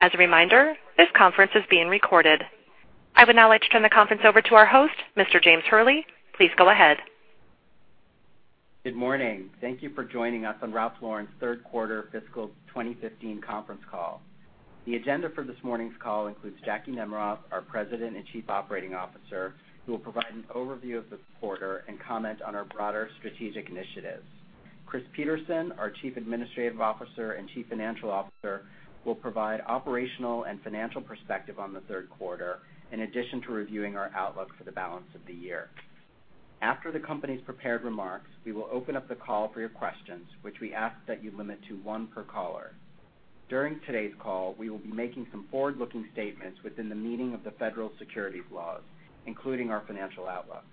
As a reminder, this conference is being recorded. I would now like to turn the conference over to our host, Mr. James Hurley. Please go ahead. Good morning. Thank you for joining us on Ralph Lauren's third quarter fiscal 2015 conference call. The agenda for this morning's call includes Jackwyn Nemerov, our President and Chief Operating Officer, who will provide an overview of the quarter and comment on our broader strategic initiatives. Christopher Peterson, our Chief Administrative Officer and Chief Financial Officer, will provide operational and financial perspective on the third quarter, in addition to reviewing our outlook for the balance of the year. After the company's prepared remarks, we will open up the call for your questions, which we ask that you limit to one per caller. During today's call, we will be making some forward-looking statements within the meaning of the federal securities laws, including our financial outlook.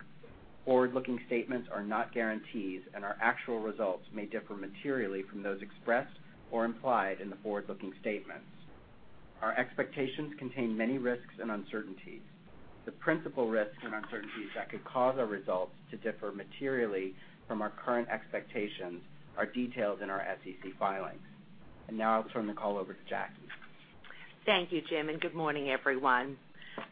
Forward-looking statements are not guarantees, and our actual results may differ materially from those expressed or implied in the forward-looking statements. Our expectations contain many risks and uncertainties. The principal risks and uncertainties that could cause our results to differ materially from our current expectations are detailed in our SEC filings. Now I'll turn the call over to Jackie. Thank you, Jim, good morning, everyone.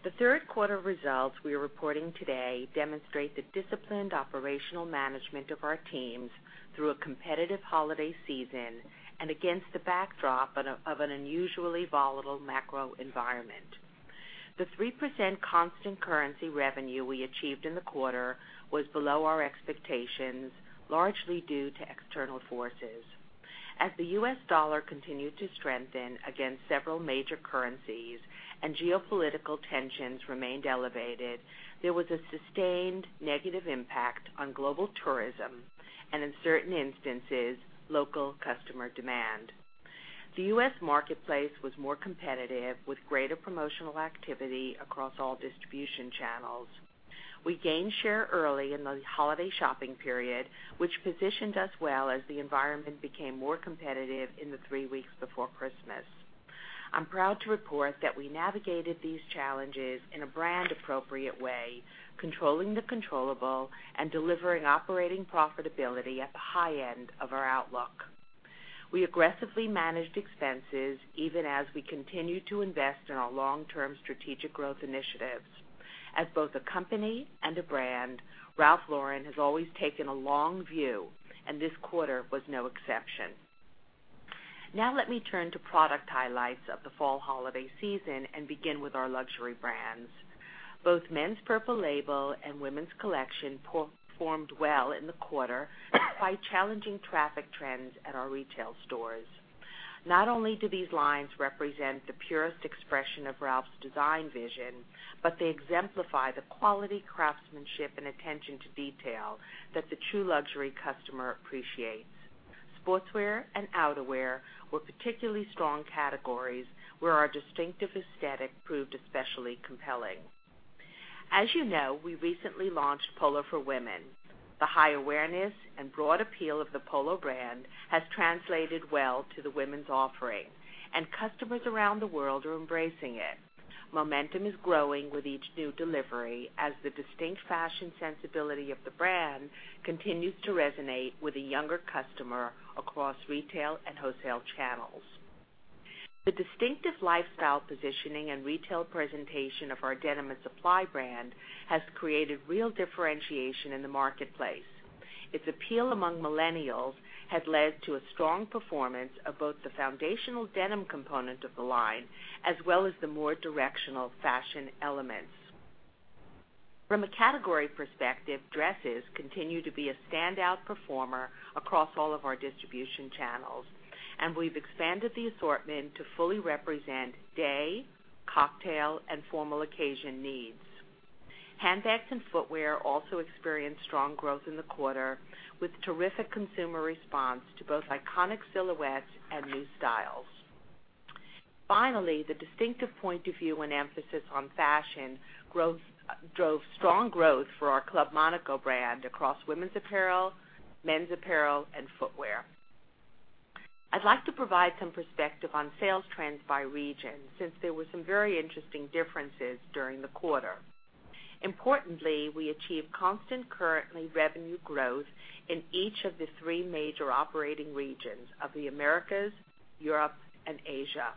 The third quarter results we are reporting today demonstrate the disciplined operational management of our teams through a competitive holiday season and against the backdrop of an unusually volatile macro environment. The 3% constant currency revenue we achieved in the quarter was below our expectations, largely due to external forces. As the U.S. dollar continued to strengthen against several major currencies, and geopolitical tensions remained elevated, there was a sustained negative impact on global tourism and, in certain instances, local customer demand. The U.S. marketplace was more competitive, with greater promotional activity across all distribution channels. We gained share early in the holiday shopping period, which positioned us well as the environment became more competitive in the three weeks before Christmas. I'm proud to report that we navigated these challenges in a brand-appropriate way, controlling the controllable and delivering operating profitability at the high end of our outlook. We aggressively managed expenses, even as we continued to invest in our long-term strategic growth initiatives. As both a company and a brand, Ralph Lauren has always taken a long view, and this quarter was no exception. Now let me turn to product highlights of the fall holiday season and begin with our luxury brands. Both Men's Purple Label and Women's Collection performed well in the quarter despite challenging traffic trends at our retail stores. Not only do these lines represent the purest expression of Ralph's design vision, but they exemplify the quality, craftsmanship, and attention to detail that the true luxury customer appreciates. Sportswear and outerwear were particularly strong categories where our distinctive aesthetic proved especially compelling. As you know, we recently launched Polo for Women. The high awareness and broad appeal of the Polo brand has translated well to the women's offering, and customers around the world are embracing it. Momentum is growing with each new delivery as the distinct fashion sensibility of the brand continues to resonate with a younger customer across retail and wholesale channels. The distinctive lifestyle positioning and retail presentation of our Denim & Supply brand has created real differentiation in the marketplace. Its appeal among millennials has led to a strong performance of both the foundational denim component of the line as well as the more directional fashion elements. From a category perspective, dresses continue to be a standout performer across all of our distribution channels, and we've expanded the assortment to fully represent day, cocktail, and formal occasion needs. Handbags and footwear also experienced strong growth in the quarter, with terrific consumer response to both iconic silhouettes and new styles. Finally, the distinctive point of view and emphasis on fashion drove strong growth for our Club Monaco brand across women's apparel, men's apparel, and footwear. I'd like to provide some perspective on sales trends by region, since there were some very interesting differences during the quarter. Importantly, we achieved constant currency revenue growth in each of the three major operating regions of the Americas, Europe, and Asia.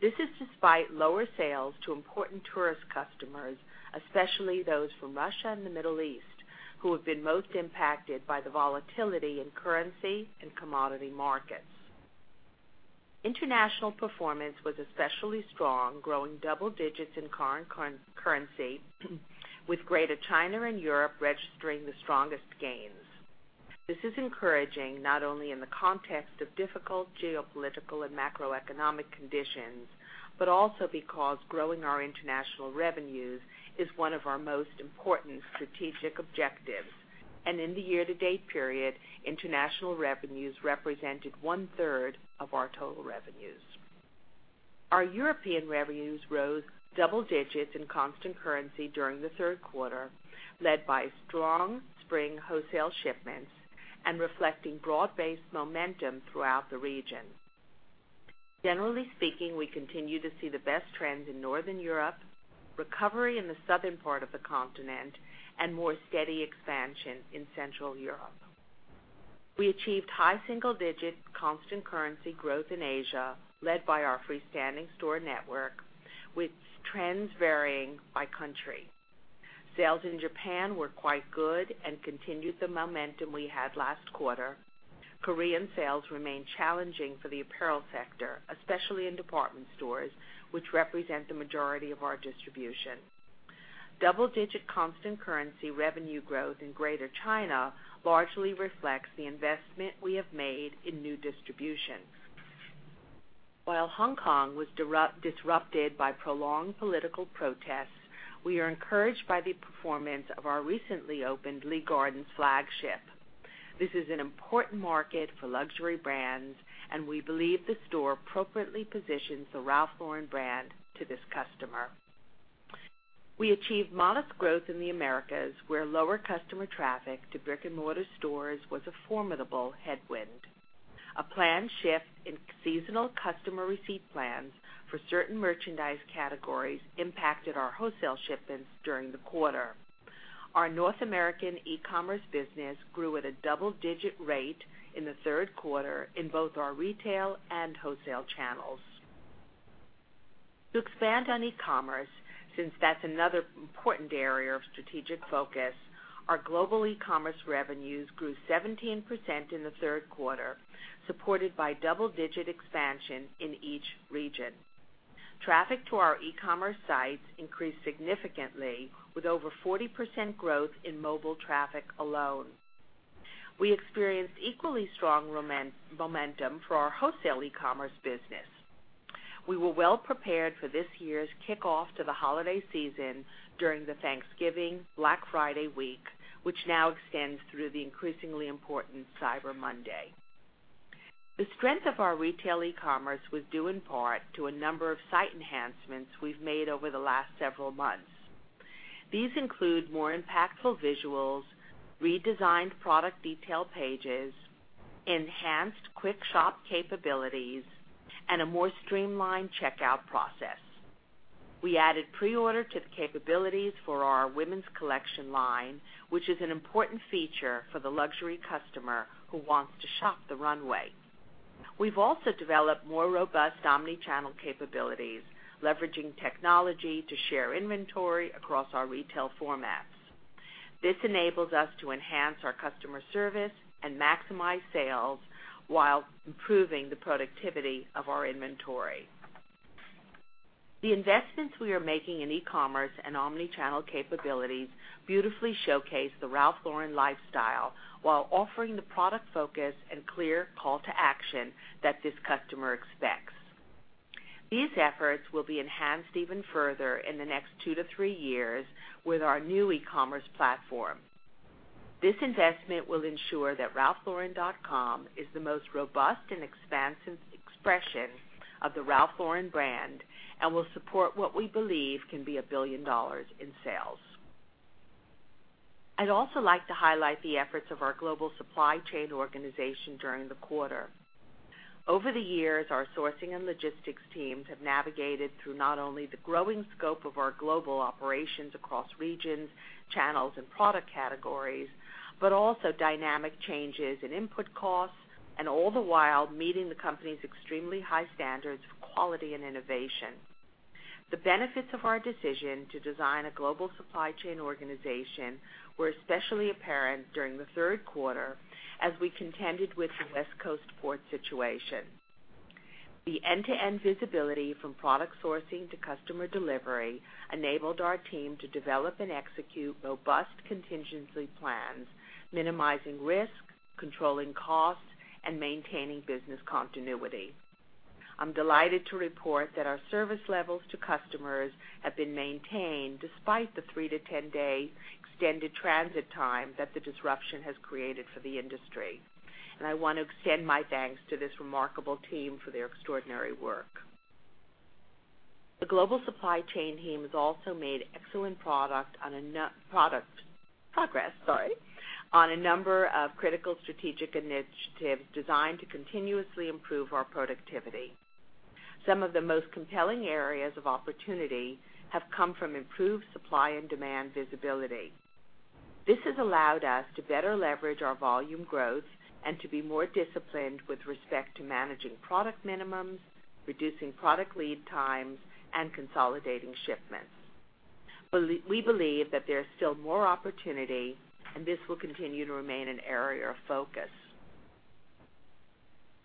This is despite lower sales to important tourist customers, especially those from Russia and the Middle East, who have been most impacted by the volatility in currency and commodity markets. International performance was especially strong, growing double digits in current currency with Greater China and Europe registering the strongest gains. This is encouraging not only in the context of difficult geopolitical and macroeconomic conditions, but also because growing our international revenues is one of our most important strategic objectives. In the year-to-date period, international revenues represented one-third of our total revenues. Our European revenues rose double digits in constant currency during the third quarter, led by strong spring wholesale shipments and reflecting broad-based momentum throughout the region. Generally speaking, we continue to see the best trends in Northern Europe, recovery in the southern part of the continent, and more steady expansion in Central Europe. We achieved high single-digit constant currency growth in Asia, led by our freestanding store network, with trends varying by country. Sales in Japan were quite good and continued the momentum we had last quarter. Korean sales remained challenging for the apparel sector, especially in department stores, which represent the majority of our distribution. Double-digit constant currency revenue growth in Greater China largely reflects the investment we have made in new distribution. While Hong Kong was disrupted by prolonged political protests, we are encouraged by the performance of our recently opened Lee Gardens flagship. This is an important market for luxury brands, and we believe the store appropriately positions the Ralph Lauren brand to this customer. We achieved modest growth in the Americas, where lower customer traffic to brick-and-mortar stores was a formidable headwind. A planned shift in seasonal customer receipt plans for certain merchandise categories impacted our wholesale shipments during the quarter. Our North American e-commerce business grew at a double-digit rate in the third quarter in both our retail and wholesale channels. To expand on e-commerce, since that's another important area of strategic focus, our global e-commerce revenues grew 17% in the third quarter, supported by double-digit expansion in each region. Traffic to our e-commerce sites increased significantly with over 40% growth in mobile traffic alone. We experienced equally strong momentum for our wholesale e-commerce business. We were well prepared for this year's kickoff to the holiday season during the Thanksgiving Black Friday week, which now extends through the increasingly important Cyber Monday. The strength of our retail e-commerce was due in part to a number of site enhancements we've made over the last several months. These include more impactful visuals, redesigned product detail pages, enhanced quick shop capabilities, and a more streamlined checkout process. We added pre-order to the capabilities for our women's collection line, which is an important feature for the luxury customer who wants to shop the runway. We've also developed more robust omnichannel capabilities, leveraging technology to share inventory across our retail formats. This enables us to enhance our customer service and maximize sales while improving the productivity of our inventory. The investments we are making in e-commerce and omnichannel capabilities beautifully showcase the Ralph Lauren lifestyle while offering the product focus and clear call to action that this customer expects. These efforts will be enhanced even further in the next two to three years with our new e-commerce platform. This investment will ensure that ralphlauren.com is the most robust and expansive expression of the Ralph Lauren brand and will support what we believe can be a $1 billion in sales. I'd also like to highlight the efforts of our global supply chain organization during the quarter. Over the years, our sourcing and logistics teams have navigated through not only the growing scope of our global operations across regions, channels, and product categories, but also dynamic changes in input costs, and all the while meeting the company's extremely high standards for quality and innovation. The benefits of our decision to design a global supply chain organization were especially apparent during the third quarter as we contended with the West Coast port situation. The end-to-end visibility from product sourcing to customer delivery enabled our team to develop and execute robust contingency plans, minimizing risk, controlling costs, and maintaining business continuity. I'm delighted to report that our service levels to customers have been maintained despite the 3-to-10-day extended transit time that the disruption has created for the industry. I want to extend my thanks to this remarkable team for their extraordinary work. The global supply chain team has also made excellent progress on a number of critical strategic initiatives designed to continuously improve our productivity. Some of the most compelling areas of opportunity have come from improved supply and demand visibility. This has allowed us to better leverage our volume growth and to be more disciplined with respect to managing product minimums, reducing product lead times, and consolidating shipments. We believe that there is still more opportunity, and this will continue to remain an area of focus.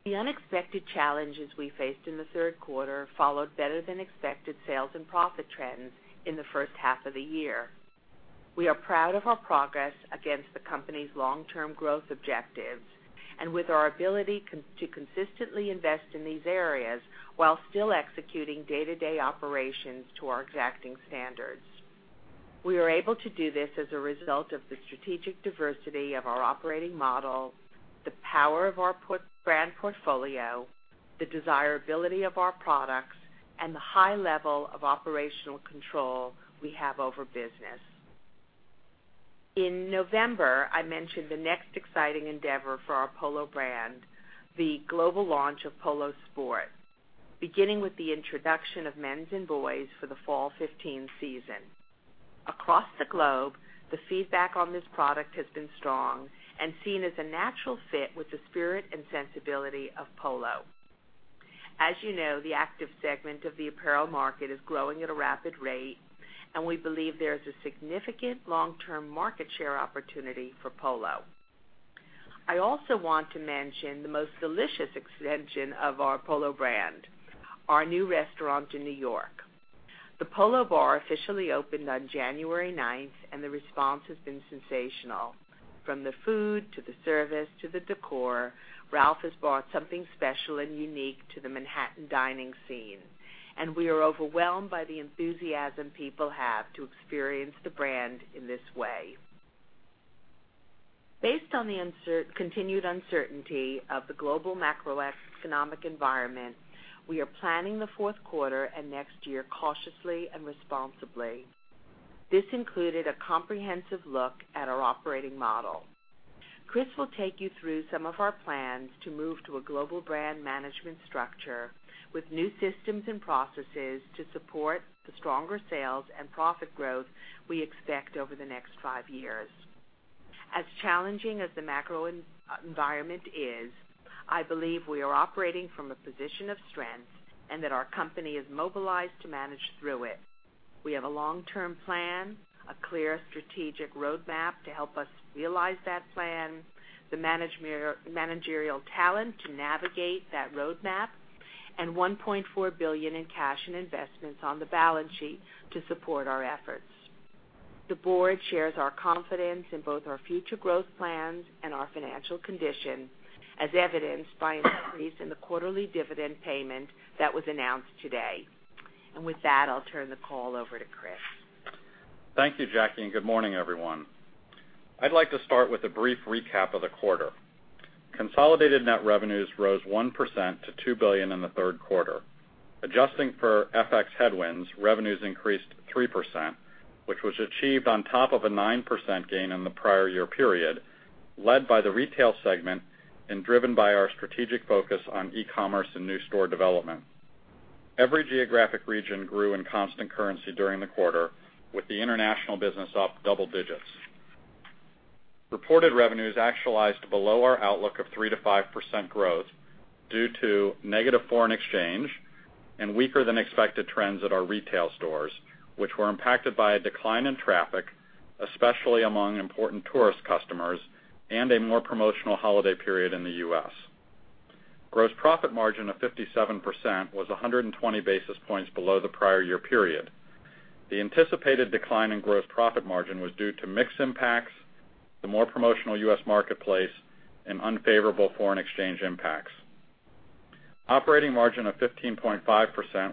The unexpected challenges we faced in the third quarter followed better than expected sales and profit trends in the first half of the year. We are proud of our progress against the company's long-term growth objectives and with our ability to consistently invest in these areas while still executing day-to-day operations to our exacting standards. We are able to do this as a result of the strategic diversity of our operating model, the power of our brand portfolio, the desirability of our products, and the high level of operational control we have over business. In November, I mentioned the next exciting endeavor for our Polo brand, the global launch of Polo Sport, beginning with the introduction of men's and boys' for the fall 2015 season. Across the globe, the feedback on this product has been strong and seen as a natural fit with the spirit and sensibility of Polo. As you know, the active segment of the apparel market is growing at a rapid rate, and we believe there is a significant long-term market share opportunity for Polo. I also want to mention the most delicious extension of our Polo brand, our new restaurant in New York. The Polo Bar officially opened on January 9th, and the response has been sensational. From the food to the service to the decor, Ralph has brought something special and unique to the Manhattan dining scene, and we are overwhelmed by the enthusiasm people have to experience the brand in this way. Based on the continued uncertainty of the global macroeconomic environment, we are planning the fourth quarter and next year cautiously and responsibly. This included a comprehensive look at our operating model. Chris will take you through some of our plans to move to a global brand management structure with new systems and processes to support the stronger sales and profit growth we expect over the next five years. As challenging as the macro environment is, I believe we are operating from a position of strength and that our company is mobilized to manage through it. We have a long-term plan, a clear strategic roadmap to help us realize that plan, the managerial talent to navigate that roadmap, and $1.4 billion in cash and investments on the balance sheet to support our efforts. The board shares our confidence in both our future growth plans and our financial condition, as evidenced by an increase in the quarterly dividend payment that was announced today. With that, I'll turn the call over to Chris. Thank you, Jackie. Good morning, everyone. I'd like to start with a brief recap of the quarter. Consolidated net revenues rose 1% to $2 billion in the third quarter. Adjusting for FX headwinds, revenues increased 3%, which was achieved on top of a 9% gain in the prior year period, led by the retail segment and driven by our strategic focus on e-commerce and new store development. Every geographic region grew in constant currency during the quarter, with the international business up double digits. Reported revenues actualized below our outlook of 3%-5% growth due to negative foreign exchange and weaker than expected trends at our retail stores, which were impacted by a decline in traffic, especially among important tourist customers, and a more promotional holiday period in the U.S. Gross profit margin of 57% was 120 basis points below the prior year period. The anticipated decline in gross profit margin was due to mix impacts, the more promotional U.S. marketplace, and unfavorable foreign exchange impacts. Operating margin of 15.5%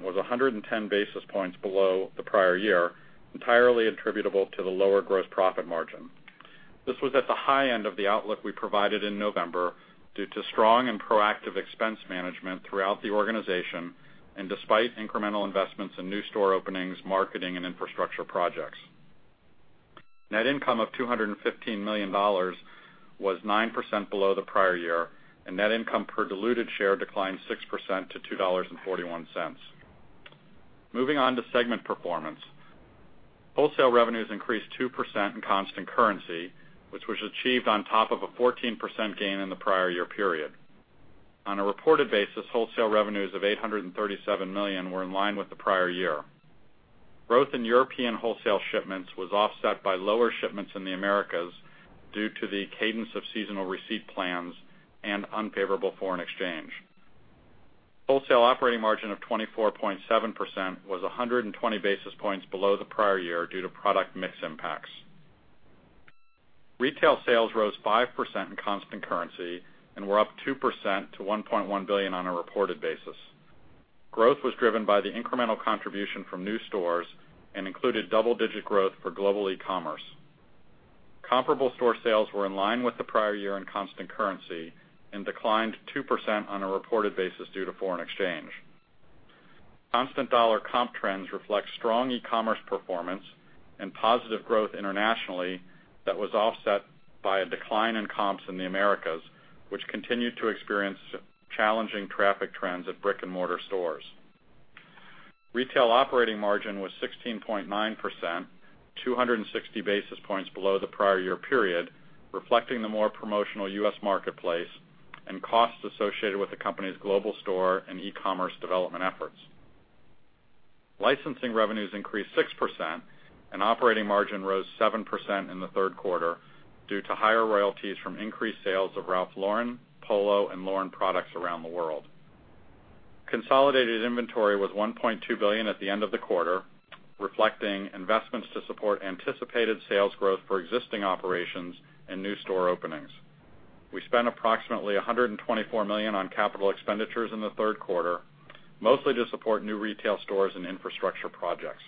was 110 basis points below the prior year, entirely attributable to the lower gross profit margin. This was at the high end of the outlook we provided in November due to strong and proactive expense management throughout the organization and despite incremental investments in new store openings, marketing, and infrastructure projects. Net income of $215 million was 9% below the prior year, and net income per diluted share declined 6% to $2.41. Moving on to segment performance. Wholesale revenues increased 2% in constant currency, which was achieved on top of a 14% gain in the prior year period. On a reported basis, wholesale revenues of $837 million were in line with the prior year. Growth in European wholesale shipments was offset by lower shipments in the Americas due to the cadence of seasonal receipt plans and unfavorable foreign exchange. Wholesale operating margin of 24.7% was 120 basis points below the prior year due to product mix impacts. Retail sales rose 5% in constant currency and were up 2% to $1.1 billion on a reported basis. Growth was driven by the incremental contribution from new stores and included double-digit growth for global e-commerce. Comparable store sales were in line with the prior year in constant currency and declined 2% on a reported basis due to foreign exchange. Constant dollar comp trends reflect strong e-commerce performance and positive growth internationally that was offset by a decline in comps in the Americas, which continued to experience challenging traffic trends at brick-and-mortar stores. Retail operating margin was 16.9%, 260 basis points below the prior year period, reflecting the more promotional U.S. marketplace and costs associated with the company's global store and e-commerce development efforts. Licensing revenues increased 6%, and operating margin rose 7% in the third quarter due to higher royalties from increased sales of Ralph Lauren, Polo, and Lauren products around the world. Consolidated inventory was $1.2 billion at the end of the quarter, reflecting investments to support anticipated sales growth for existing operations and new store openings. We spent approximately $124 million on capital expenditures in the third quarter, mostly to support new retail stores and infrastructure projects.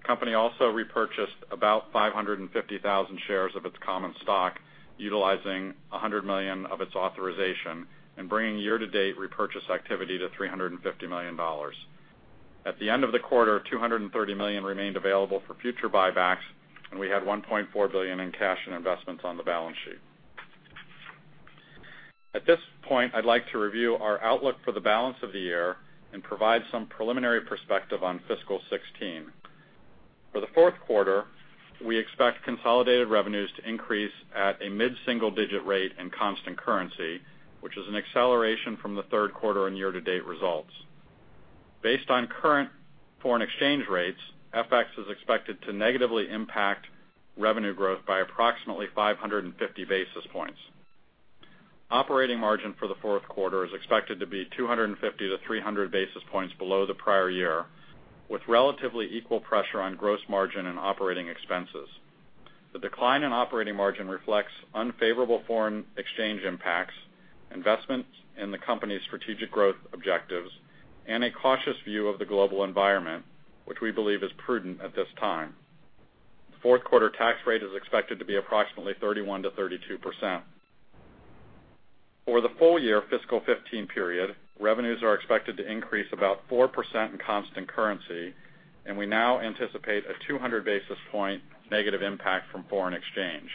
The company also repurchased about 550,000 shares of its common stock, utilizing $100 million of its authorization and bringing year-to-date repurchase activity to $350 million. At the end of the quarter, $230 million remained available for future buybacks, and we had $1.4 billion in cash and investments on the balance sheet. At this point, I'd like to review our outlook for the balance of the year and provide some preliminary perspective on fiscal 2016. For the fourth quarter, we expect consolidated revenues to increase at a mid-single-digit rate in constant currency, which is an acceleration from the third quarter and year-to-date results. Based on current foreign exchange rates, FX is expected to negatively impact revenue growth by approximately 550 basis points. Operating margin for the fourth quarter is expected to be 250-300 basis points below the prior year, with relatively equal pressure on gross margin and operating expenses. The decline in operating margin reflects unfavorable foreign exchange impacts, investments in the company's strategic growth objectives, and a cautious view of the global environment, which we believe is prudent at this time. Fourth quarter tax rate is expected to be approximately 31%-32%. For the full year fiscal 2015 period, revenues are expected to increase about 4% in constant currency, and we now anticipate a 200 basis point negative impact from foreign exchange.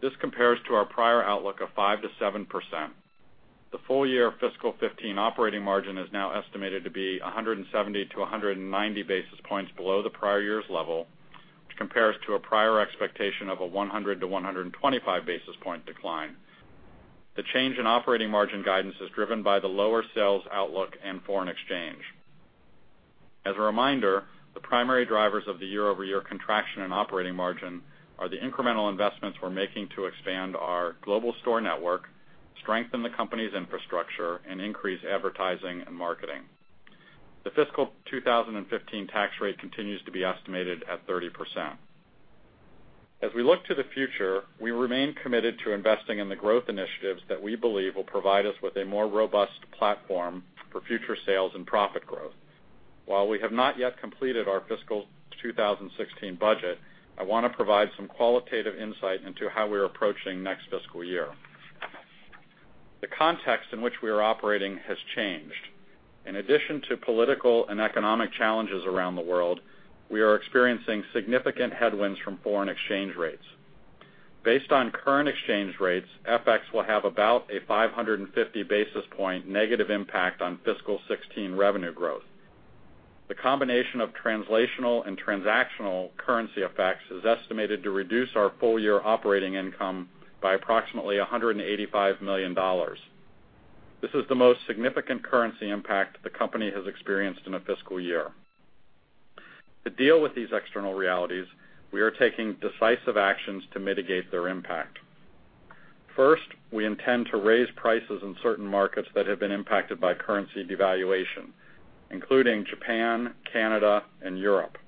This compares to our prior outlook of 5%-7%. The full year fiscal 2015 operating margin is now estimated to be 170-190 basis points below the prior year's level, which compares to a prior expectation of a 100-125 basis point decline. The change in operating margin guidance is driven by the lower sales outlook and foreign exchange. As a reminder, the primary drivers of the year-over-year contraction in operating margin are the incremental investments we're making to expand our global store network, strengthen the company's infrastructure, and increase advertising and marketing. The fiscal 2015 tax rate continues to be estimated at 30%. As we look to the future, we remain committed to investing in the growth initiatives that we believe will provide us with a more robust platform for future sales and profit growth. While we have not yet completed our fiscal 2016 budget, I want to provide some qualitative insight into how we're approaching next fiscal year. The context in which we are operating has changed. In addition to political and economic challenges around the world, we are experiencing significant headwinds from foreign exchange rates. Based on current exchange rates, FX will have about a 550 basis point negative impact on fiscal 2016 revenue growth. The combination of translational and transactional currency effects is estimated to reduce our full-year operating income by approximately $185 million. This is the most significant currency impact the company has experienced in a fiscal year. To deal with these external realities, we are taking decisive actions to mitigate their impact. First, we intend to raise prices in certain markets that have been impacted by currency devaluation, including Japan, Canada, and Europe.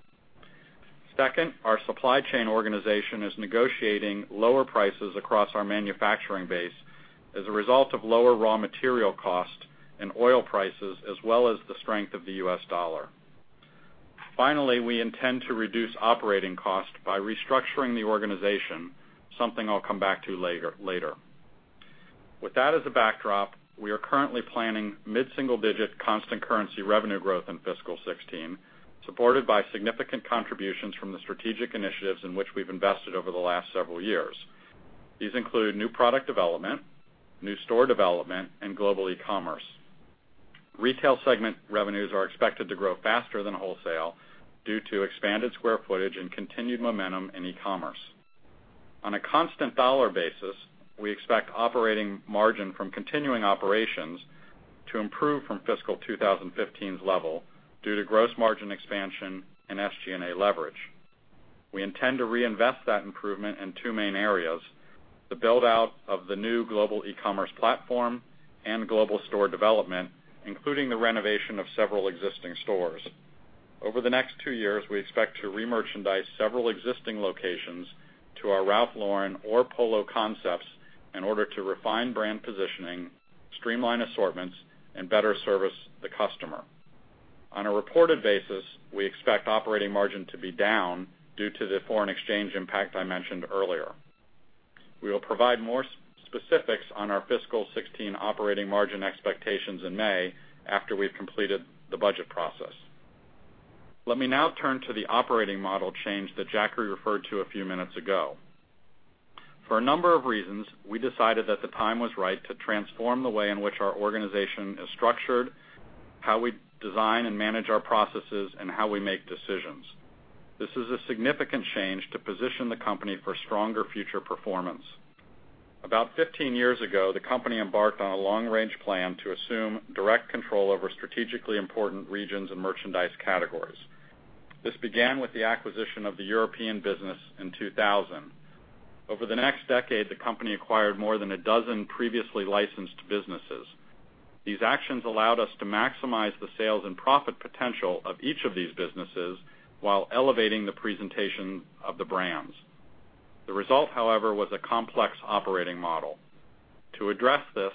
Second, our supply chain organization is negotiating lower prices across our manufacturing base as a result of lower raw material cost and oil prices, as well as the strength of the US dollar. Finally, we intend to reduce operating costs by restructuring the organization, something I'll come back to later. With that as a backdrop, we are currently planning mid-single-digit constant currency revenue growth in fiscal 2016, supported by significant contributions from the strategic initiatives in which we've invested over the last several years. These include new product development, new store development, and global e-commerce. Retail segment revenues are expected to grow faster than wholesale due to expanded square footage and continued momentum in e-commerce. On a constant dollar basis, we expect operating margin from continuing operations to improve from fiscal 2015's level due to gross margin expansion and SG&A leverage. We intend to reinvest that improvement in two main areas, the build-out of the new global e-commerce platform and global store development, including the renovation of several existing stores. Over the next two years, we expect to remerchandise several existing locations to our Ralph Lauren or Polo concepts in order to refine brand positioning, streamline assortments, and better service the customer. On a reported basis, we expect operating margin to be down due to the foreign exchange impact I mentioned earlier. We will provide more specifics on our fiscal 2016 operating margin expectations in May after we've completed the budget process. Let me now turn to the operating model change that Jackie referred to a few minutes ago. For a number of reasons, we decided that the time was right to transform the way in which our organization is structured, how we design and manage our processes, and how we make decisions. This is a significant change to position the company for stronger future performance. About 15 years ago, the company embarked on a long-range plan to assume direct control over strategically important regions and merchandise categories. This began with the acquisition of the European business in 2000. Over the next decade, the company acquired more than a dozen previously licensed businesses. These actions allowed us to maximize the sales and profit potential of each of these businesses while elevating the presentation of the brands. The result, however, was a complex operating model. To address this,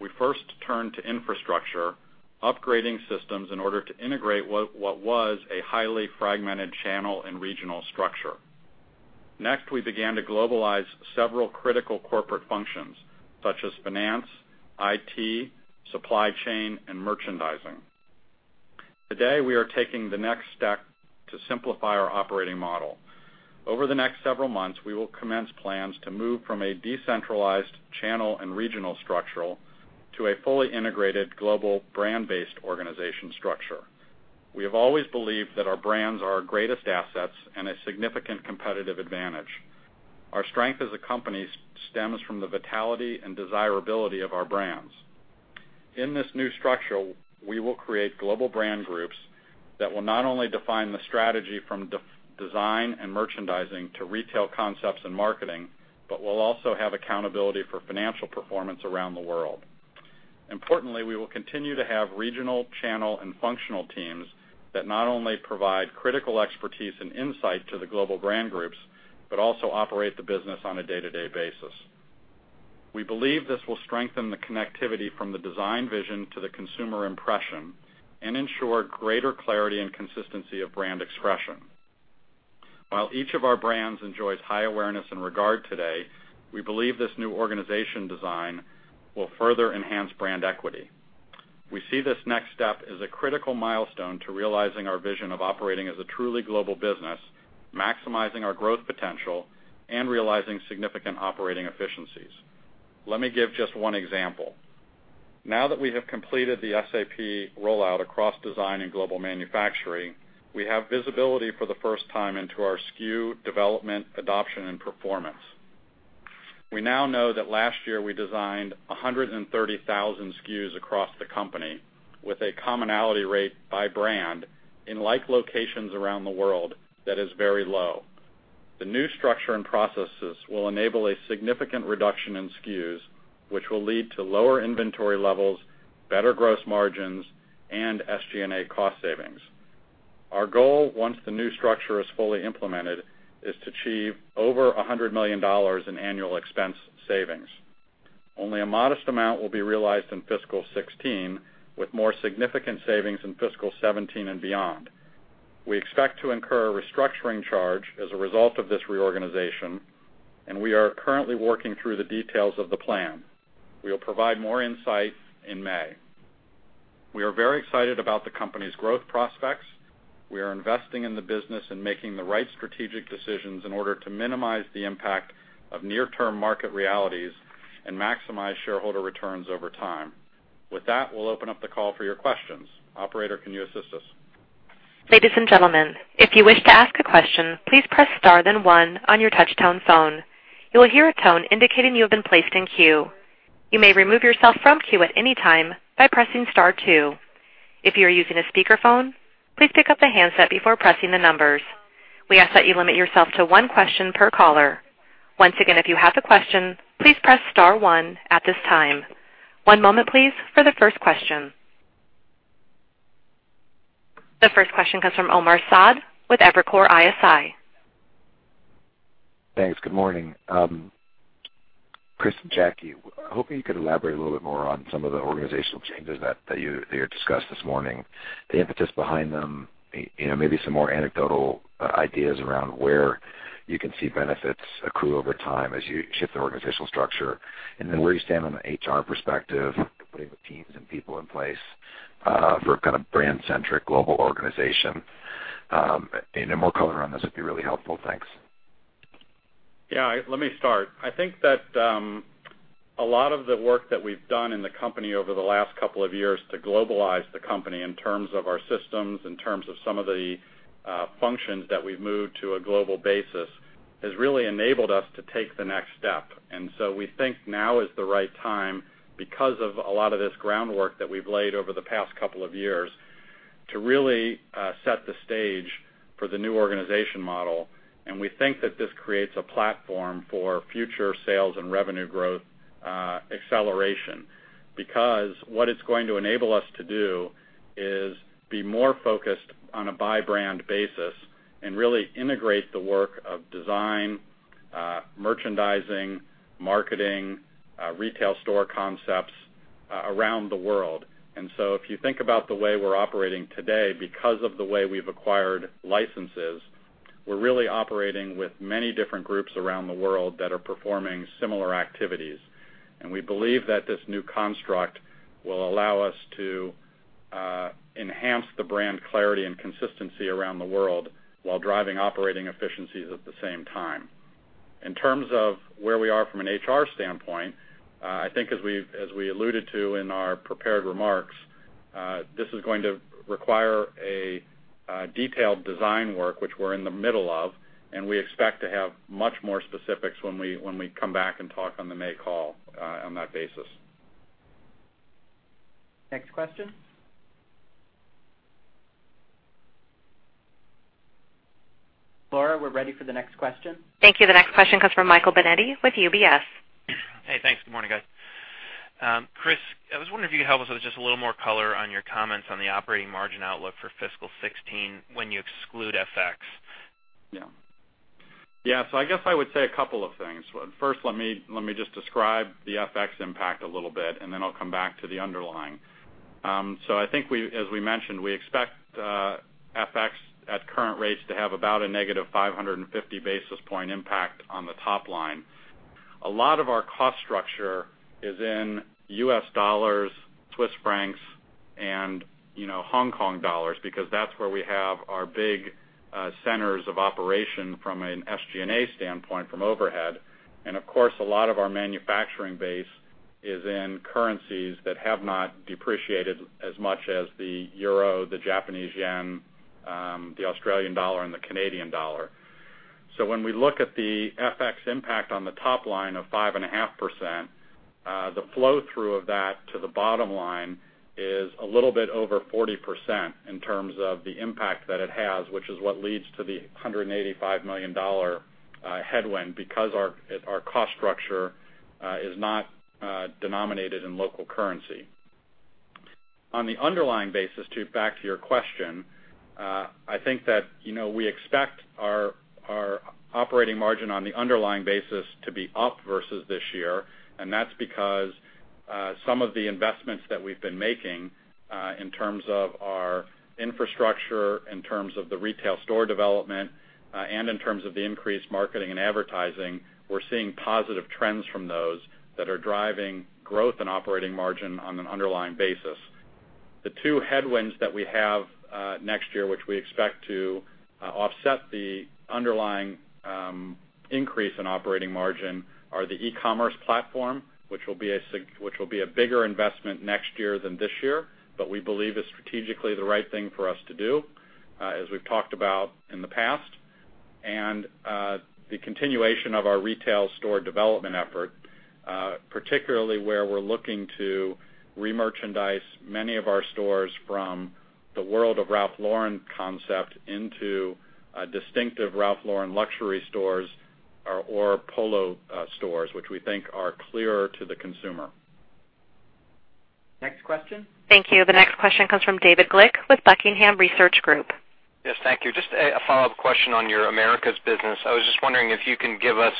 we first turned to infrastructure, upgrading systems in order to integrate what was a highly fragmented channel and regional structure. Next, we began to globalize several critical corporate functions, such as finance, IT, supply chain, and merchandising. Today, we are taking the next step to simplify our operating model. Over the next several months, we will commence plans to move from a decentralized channel and regional structural to a fully integrated global brand-based organization structure. We have always believed that our brands are our greatest assets and a significant competitive advantage. Our strength as a company stems from the vitality and desirability of our brands. In this new structure, we will create global brand groups that will not only define the strategy from design and merchandising to retail concepts and marketing, but will also have accountability for financial performance around the world. Importantly, we will continue to have regional channel and functional teams that not only provide critical expertise and insight to the global brand groups, but also operate the business on a day-to-day basis. We believe this will strengthen the connectivity from the design vision to the consumer impression and ensure greater clarity and consistency of brand expression. While each of our brands enjoys high awareness and regard today, we believe this new organization design will further enhance brand equity. We see this next step as a critical milestone to realizing our vision of operating as a truly global business, maximizing our growth potential, and realizing significant operating efficiencies. Let me give just one example. Now that we have completed the SAP rollout across design and global manufacturing, we have visibility for the first time into our SKU development, adoption, and performance. We now know that last year we designed 130,000 SKUs across the company with a commonality rate by brand in like locations around the world that is very low. The new structure and processes will enable a significant reduction in SKUs, which will lead to lower inventory levels, better gross margins, and SG&A cost savings. Our goal, once the new structure is fully implemented, is to achieve over $100 million in annual expense savings. Only a modest amount will be realized in fiscal 2016, with more significant savings in fiscal 2017 and beyond. We expect to incur a restructuring charge as a result of this reorganization, and we are currently working through the details of the plan. We will provide more insight in May. We are very excited about the company's growth prospects. We are investing in the business and making the right strategic decisions in order to minimize the impact of near-term market realities and maximize shareholder returns over time. With that, we'll open up the call for your questions. Operator, can you assist us? Ladies and gentlemen, if you wish to ask a question, please press star then one on your touch tone phone. You will hear a tone indicating you have been placed in queue. You may remove yourself from queue at any time by pressing star two. If you are using a speakerphone, please pick up the handset before pressing the numbers. We ask that you limit yourself to one question per caller. Once again, if you have a question, please press star one at this time. One moment, please, for the first question. The first question comes from Omar Saad with Evercore ISI. Thanks. Good morning. Chris and Jackie, hoping you could elaborate a little bit more on some of the organizational changes that you discussed this morning, the impetus behind them, maybe some more anecdotal ideas around where you can see benefits accrue over time as you shift the organizational structure, where do you stand on the HR perspective, putting the teams and people in place for a kind of brand-centric global organization. Any more color around this would be really helpful. Thanks. Let me start. I think that a lot of the work that we've done in the company over the last couple of years to globalize the company in terms of our systems, in terms of some of the functions that we've moved to a global basis, has really enabled us to take the next step. We think now is the right time because of a lot of this groundwork that we've laid over the past couple of years to really set the stage for the new organization model. We think that this creates a platform for future sales and revenue growth acceleration, because what it's going to enable us to do is be more focused on a by-brand basis and really integrate the work of design, merchandising, marketing, retail store concepts around the world. If you think about the way we're operating today, because of the way we've acquired licenses, we're really operating with many different groups around the world that are performing similar activities. We believe that this new construct will allow us to enhance the brand clarity and consistency around the world while driving operating efficiencies at the same time. In terms of where we are from an HR standpoint, I think as we alluded to in our prepared remarks, this is going to require a detailed design work, which we're in the middle of, and we expect to have much more specifics when we come back and talk on the May call on that basis. Next question. Laura, we're ready for the next question. Thank you. The next question comes from Michael Binetti with UBS. Hey, thanks. Good morning, guys. Chris, I was wondering if you could help us with just a little more color on your comments on the operating margin outlook for fiscal 2016 when you exclude FX. Yeah. I guess I would say a couple of things. First, let me just describe the FX impact a little bit, and then I'll come back to the underlying. I think as we mentioned, we expect current rates to have about a negative 550 basis point impact on the top line. A lot of our cost structure is in U.S. dollars, Swiss francs, and Hong Kong dollars because that's where we have our big centers of operation from an SG&A standpoint from overhead. Of course, a lot of our manufacturing base is in currencies that have not depreciated as much as the euro, the Japanese yen, the Australian dollar, and the Canadian dollar. When we look at the FX impact on the top line of 5.5%, the flow-through of that to the bottom line is a little bit over 40% in terms of the impact that it has, which is what leads to the $185 million headwind because our cost structure is not denominated in local currency. On the underlying basis, back to your question, I think that we expect our operating margin on the underlying basis to be up versus this year, and that's because some of the investments that we've been making, in terms of our infrastructure, in terms of the retail store development, and in terms of the increased marketing and advertising, we're seeing positive trends from those that are driving growth and operating margin on an underlying basis. The two headwinds that we have next year, which we expect to offset the underlying increase in operating margin are the e-commerce platform, which will be a bigger investment next year than this year, but we believe is strategically the right thing for us to do as we've talked about in the past. The continuation of our retail store development effort, particularly where we're looking to re-merchandise many of our stores from the World of Ralph Lauren concept into a distinctive Ralph Lauren luxury stores or Polo stores, which we think are clearer to the consumer. Next question. Thank you. The next question comes from David Glick with Buckingham Research Group. Yes, thank you. Just a follow-up question on your Americas business. I was just wondering if you can give us,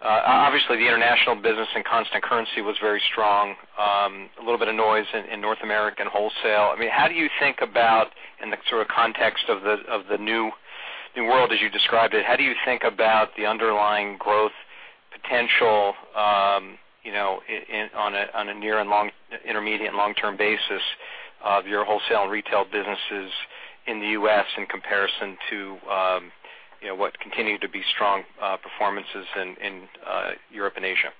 obviously the international business and constant currency was very strong. A little bit of noise in North American wholesale. How do you think about, in the sort of context of the new world as you described it, how do you think about the underlying growth potential on a near and intermediate long-term basis of your wholesale and retail businesses in the U.S. in comparison to what continue to be strong performances in Europe and Asia?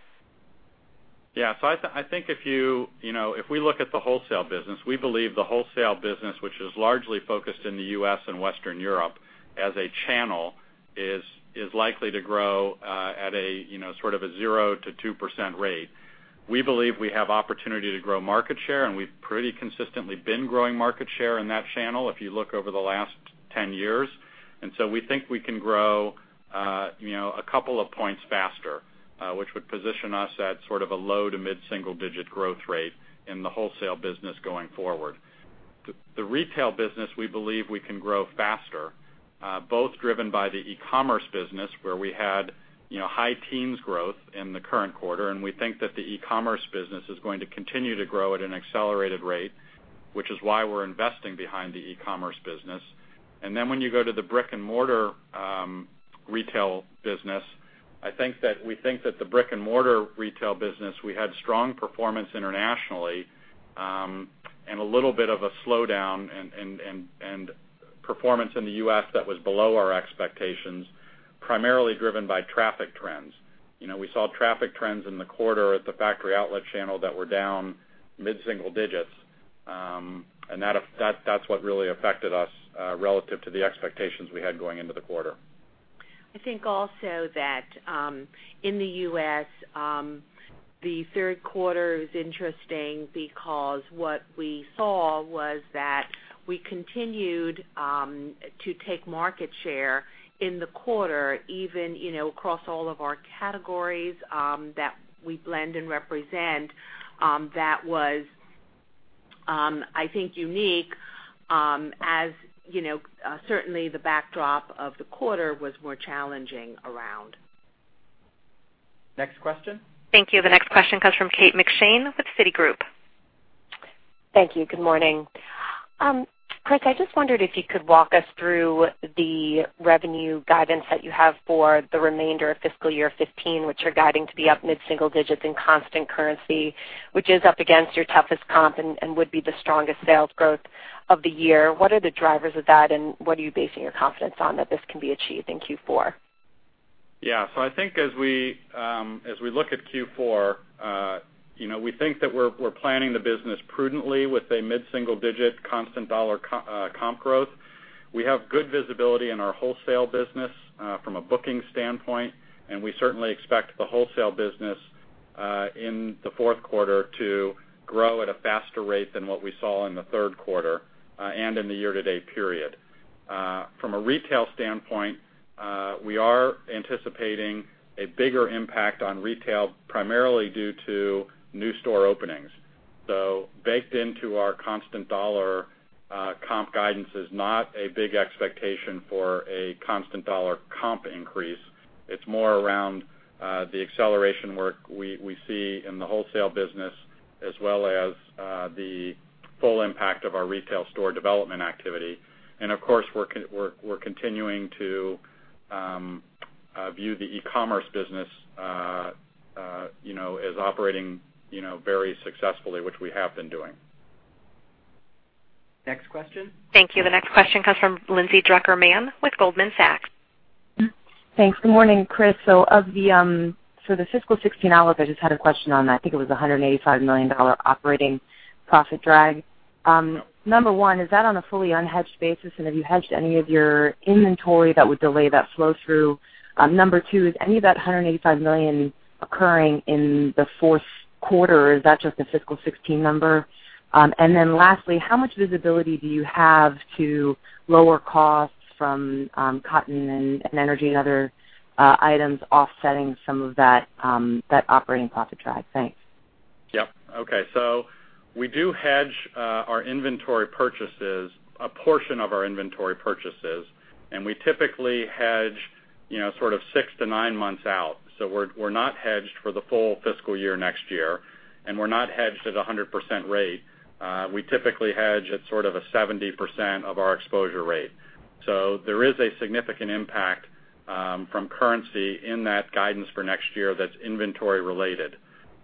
Yeah. I think if we look at the wholesale business, we believe the wholesale business, which is largely focused in the U.S. and Western Europe as a channel, is likely to grow at a sort of a 0%-2% rate. We believe we have opportunity to grow market share, and we've pretty consistently been growing market share in that channel if you look over the last 10 years. We think we can grow a couple of points faster, which would position us at sort of a low to mid-single digit growth rate in the wholesale business going forward. The retail business, we believe we can grow faster, both driven by the e-commerce business where we had high-teens growth in the current quarter, and we think that the e-commerce business is going to continue to grow at an accelerated rate, which is why we're investing behind the e-commerce business. When you go to the brick-and-mortar retail business, we think that the brick-and-mortar retail business, we had strong performance internationally, and a little bit of a slowdown and performance in the U.S. that was below our expectations, primarily driven by traffic trends. We saw traffic trends in the quarter at the factory outlet channel that were down mid-single-digits. That's what really affected us, relative to the expectations we had going into the quarter. I think also that, in the U.S., the third quarter is interesting because what we saw was that we continued to take market share in the quarter, even across all of our categories that we blend and represent. That was, I think, unique, as certainly the backdrop of the quarter was more challenging around. Next question. Thank you. The next question comes from Kate McShane with Citigroup. Thank you. Good morning. Chris, I just wondered if you could walk us through the revenue guidance that you have for the remainder of fiscal year 2015, which you're guiding to be up mid-single digits in constant currency, which is up against your toughest comp and would be the strongest sales growth of the year. What are the drivers of that, and what are you basing your confidence on that this can be achieved in Q4? Yeah. I think as we look at Q4, we think that we're planning the business prudently with a mid-single digit constant dollar comp growth. We have good visibility in our wholesale business from a booking standpoint, and we certainly expect the wholesale business in the fourth quarter to grow at a faster rate than what we saw in the third quarter and in the year-to-date period. From a retail standpoint, we are anticipating a bigger impact on retail, primarily due to new store openings. Baked into our constant dollar comp guidance is not a big expectation for a constant dollar comp increase. It's more around the acceleration work we see in the wholesale business, as well as the full impact of our retail store development activity. Of course, we're continuing to view the e-commerce business as operating very successfully, which we have been doing. Next question. Thank you. The next question comes from Lindsay Drucker Mann with Goldman Sachs. Thanks. Good morning, Chris. For the fiscal 2016 outlook, I just had a question on that. I think it was $185 million operating profit drag. Number one, is that on a fully unhedged basis, and have you hedged any of your inventory that would delay that flow-through? Number two, is any of that $185 million occurring in the fourth quarter, or is that just a fiscal 2016 number? Lastly, how much visibility do you have to lower costs from cotton and energy and other items offsetting some of that operating profit drag? Thanks. Yep. Okay. We do hedge a portion of our inventory purchases, and we typically hedge sort of 6 to 9 months out. We're not hedged for the full fiscal year next year, and we're not hedged at 100% rate. We typically hedge at sort of a 70% of our exposure rate. There is a significant impact from currency in that guidance for next year that's inventory related.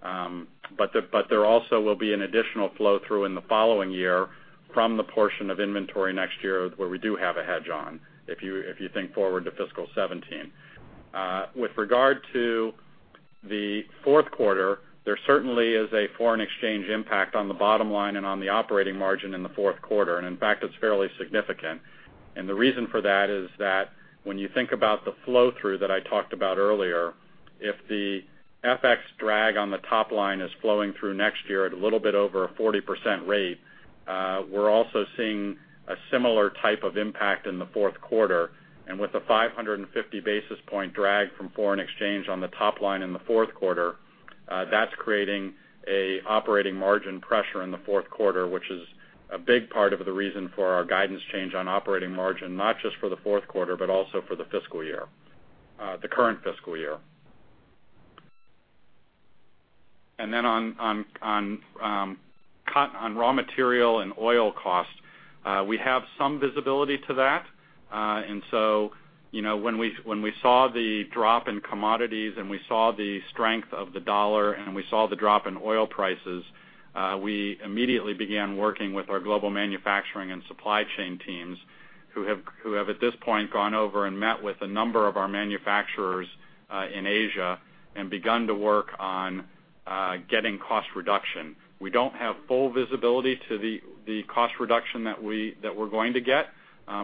There also will be an additional flow-through in the following year from the portion of inventory next year where we do have a hedge on, if you think forward to fiscal 2017. With regard to the fourth quarter, there certainly is a foreign exchange impact on the bottom line and on the operating margin in the fourth quarter, and in fact, it's fairly significant. The reason for that is that when you think about the flow-through that I talked about earlier, if the FX drag on the top line is flowing through next year at a little bit over a 40% rate, we're also seeing a similar type of impact in the fourth quarter. With the 550 basis point drag from foreign exchange on the top line in the fourth quarter, that's creating an operating margin pressure in the fourth quarter, which is a big part of the reason for our guidance change on operating margin, not just for the fourth quarter, but also for the current fiscal year. On raw material and oil cost, we have some visibility to that. When we saw the drop in commodities and we saw the strength of the dollar and we saw the drop in oil prices, we immediately began working with our global manufacturing and supply chain teams who have at this point gone over and met with a number of our manufacturers in Asia and begun to work on getting cost reduction. We don't have full visibility to the cost reduction that we're going to get,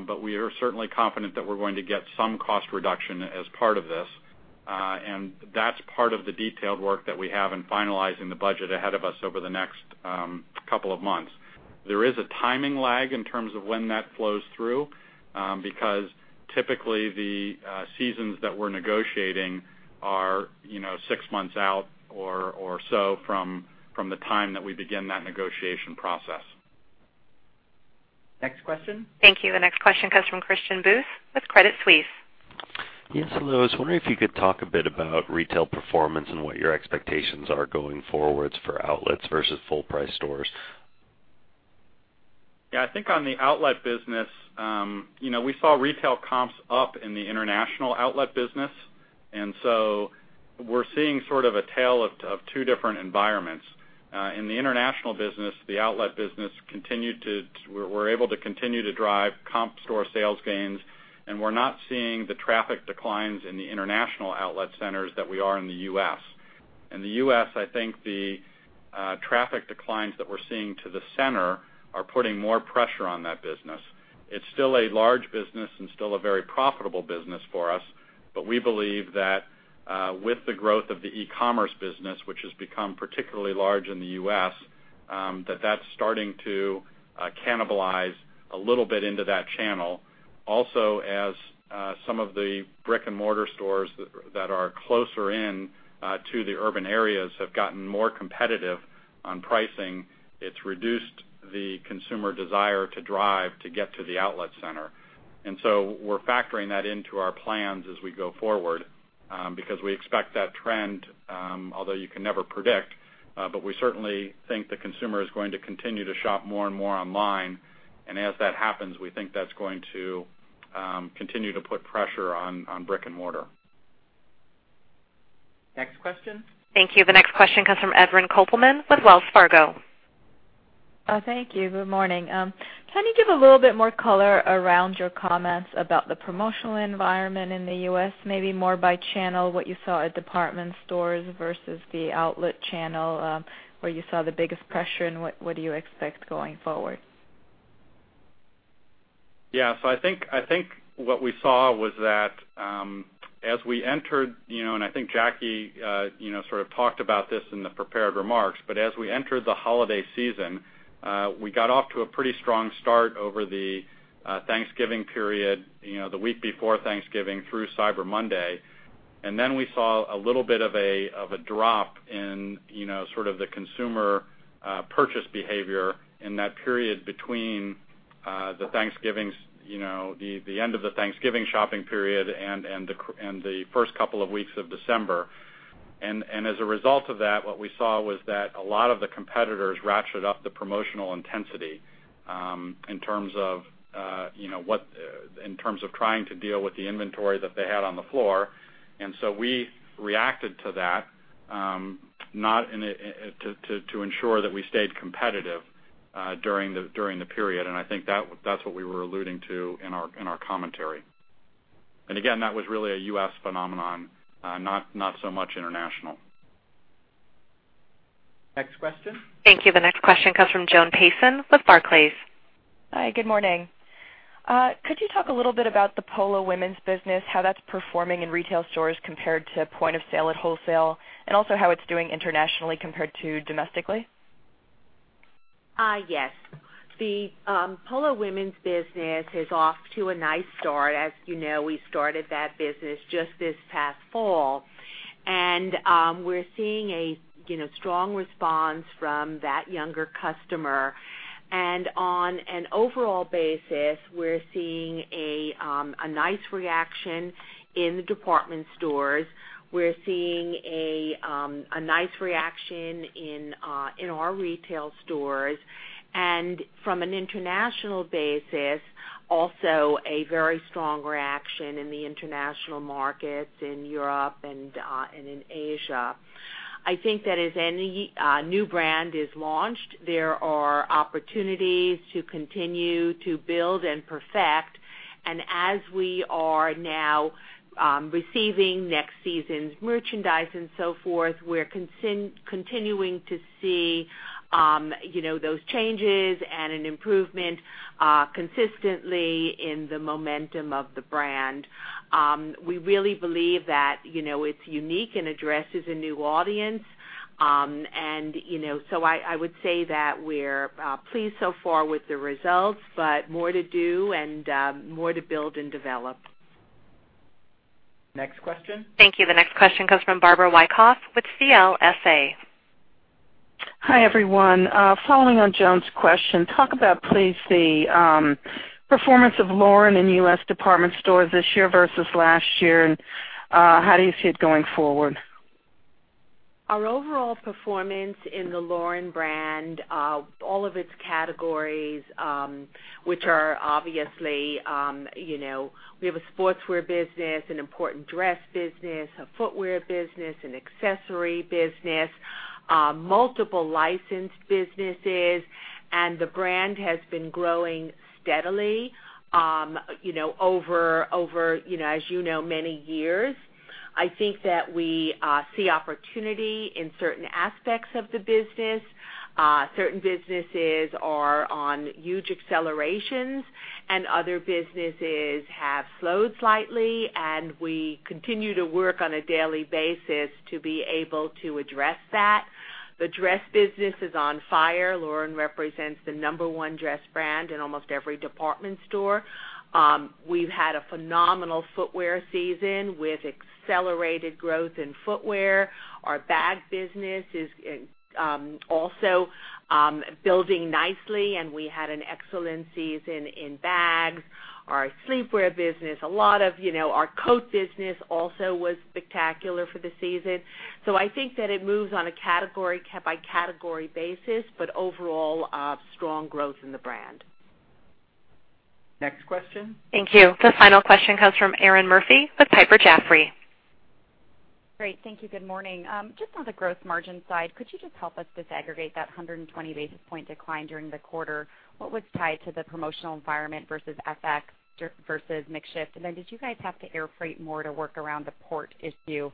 but we are certainly confident that we're going to get some cost reduction as part of this. That's part of the detailed work that we have in finalizing the budget ahead of us over the next couple of months. There is a timing lag in terms of when that flows through, because typically the seasons that we're negotiating are 6 months out or so from the time that we begin that negotiation process. Next question. Thank you. The next question comes from Christian Buss with Credit Suisse. Yes, hello. I was wondering if you could talk a bit about retail performance and what your expectations are going forwards for outlets versus full-price stores. Yeah, I think on the outlet business, we saw retail comps up in the international outlet business. We're seeing sort of a tale of two different environments. In the international business, the outlet business, we're able to continue to drive comp store sales gains, and we're not seeing the traffic declines in the international outlet centers that we are in the U.S. In the U.S., I think the traffic declines that we're seeing to the center are putting more pressure on that business. It's still a large business and still a very profitable business for us. We believe that with the growth of the e-commerce business, which has become particularly large in the U.S., that that's starting to cannibalize a little bit into that channel. As some of the brick-and-mortar stores that are closer in to the urban areas have gotten more competitive on pricing, it's reduced the consumer desire to drive to get to the outlet center. We're factoring that into our plans as we go forward because we expect that trend, although you can never predict, but we certainly think the consumer is going to continue to shop more and more online. As that happens, we think that's going to continue to put pressure on brick-and-mortar. Next question. Thank you. The next question comes from Erven Kopelman with Wells Fargo. Yeah. I think what we saw was that as we entered, and I think Jackie sort of talked about this in the prepared remarks, but as we entered the holiday season, we got off to a pretty strong start over the Thanksgiving period, the week before Thanksgiving through Cyber Monday. We saw a little bit of a drop in sort of the consumer purchase behavior in that period between the end of the Thanksgiving shopping period and the first couple of weeks of December. As a result of that, what we saw was that a lot of the competitors ratcheted up the promotional intensity in terms of trying to deal with the inventory that they had on the floor. We reacted to that to ensure that we stayed competitive during the period. I think that's what we were alluding to in our commentary. Again, that was really a U.S. phenomenon, not so much international. Next question. Thank you. The next question comes from Joan Payson with Barclays. Hi, good morning. Could you talk a little bit about the Polo women's business, how that's performing in retail stores compared to point of sale at wholesale, and also how it's doing internationally compared to domestically? Yes. The Polo women's business is off to a nice start. As you know, we started that business just this past fall, and we're seeing a strong response from that younger customer. On an overall basis, we're seeing a nice reaction in the department stores. We're seeing a nice reaction in our retail stores. From an international basis, also a very strong reaction in the international markets in Europe and in Asia. I think that as any new brand is launched, there are opportunities to continue to build and perfect. As we are now receiving next season's merchandise and so forth, we're continuing to see those changes and an improvement consistently in the momentum of the brand. We really believe that it's unique and addresses a new audience. I would say that we're pleased so far with the results, but more to do, and more to build and develop. Next question. Thank you. The next question comes from Barbara Wyckoff with CLSA. Hi, everyone. Following on Joan's question, talk about, please, the performance of Lauren in U.S. department stores this year versus last year, how do you see it going forward? Our overall performance in the Lauren brand, all of its categories, which are obviously, we have a sportswear business, an important dress business, a footwear business, an accessory business, multiple licensed businesses. The brand has been growing steadily over as you know, many years. I think that we see opportunity in certain aspects of the business. Certain businesses are on huge accelerations. Other businesses have slowed slightly, we continue to work on a daily basis to be able to address that. The dress business is on fire. Lauren represents the number 1 dress brand in almost every department store. We've had a phenomenal footwear season with accelerated growth in footwear. Our bag business is also building nicely. We had an excellent season in bags. Our sleepwear business. Our coat business also was spectacular for the season. I think that it moves on a category by category basis, overall, strong growth in the brand. Next question. Thank you. The final question comes from Erinn Murphy with Piper Jaffray. Great. Thank you. Good morning. Just on the gross margin side, could you just help us disaggregate that 120 basis point decline during the quarter? What was tied to the promotional environment versus FX versus mix shift? Did you guys have to air freight more to work around the port issue?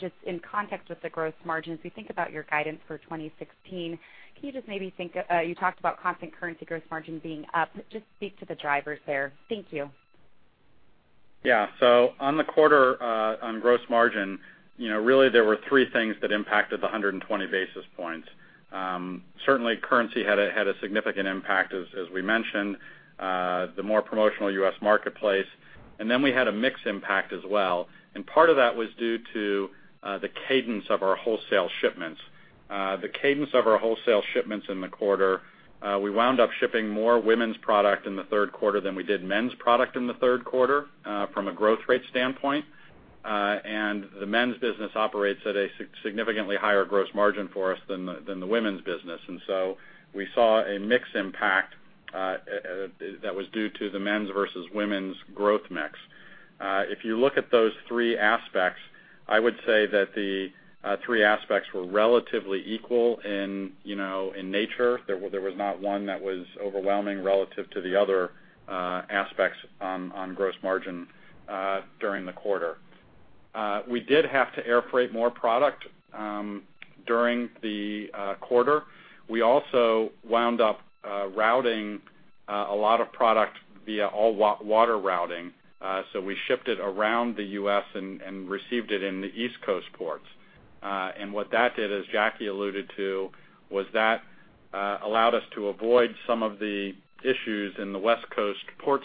Just in context with the gross margins, we think about your guidance for 2016. You talked about constant currency gross margin being up. Just speak to the drivers there. Thank you. Yeah. On the quarter, on gross margin, really there were three things that impacted the 120 basis points. Certainly, currency had a significant impact, as we mentioned, the more promotional U.S. marketplace. We had a mix impact as well. Part of that was due to the cadence of our wholesale shipments. The cadence of our wholesale shipments in the quarter, we wound up shipping more women's product in the third quarter than we did men's product in the third quarter from a growth rate standpoint. The men's business operates at a significantly higher gross margin for us than the women's business. We saw a mix impact that was due to the men's versus women's growth mix. If you look at those three aspects, I would say that the three aspects were relatively equal in nature. There was not one that was overwhelming relative to the other aspects on gross margin during the quarter. We did have to air freight more product during the quarter. We also wound up routing a lot of product via all water routing. We shipped it around the U.S. and received it in the East Coast ports. What that did, as Jackie alluded to, was that allowed us to avoid some of the issues in the West Coast port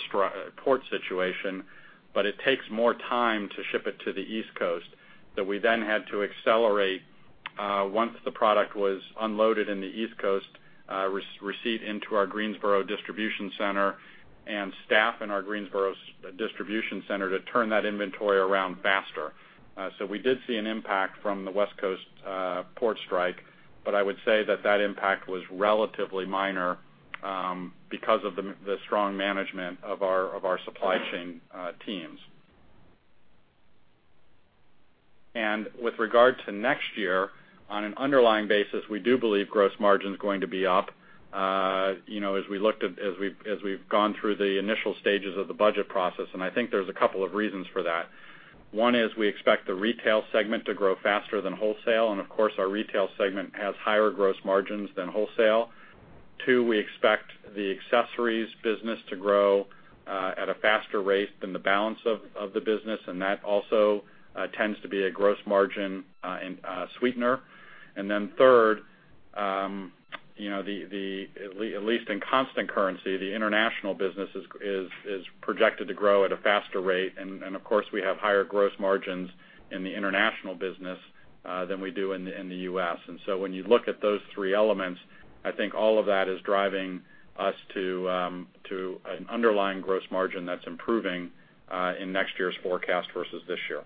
situation, but it takes more time to ship it to the East Coast, that we then had to accelerate once the product was unloaded in the East Coast, receipt into our Greensboro distribution center, and staff in our Greensboro distribution center to turn that inventory around faster. We did see an impact from the West Coast port strike, I would say that that impact was relatively minor because of the strong management of our supply chain teams. With regard to next year, on an underlying basis, we do believe gross margin's going to be up as we've gone through the initial stages of the budget process, I think there's a couple of reasons for that. One is we expect the retail segment to grow faster than wholesale, of course, our retail segment has higher gross margins than wholesale. Two, we expect the accessories business to grow at a faster rate than the balance of the business, that also tends to be a gross margin sweetener. Third, at least in constant currency, the international business is projected to grow at a faster rate, of course, we have higher gross margins in the international business than we do in the U.S. When you look at those three elements, I think all of that is driving us to an underlying gross margin that's improving in next year's forecast versus this year.